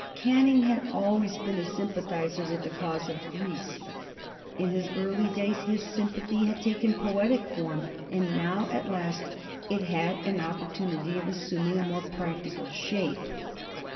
Canning had always been a sympathizer with the cause of Greece. In his early days his sympathy had taken poetic form, and now at last it had an opportunity of assuming a more practical shape.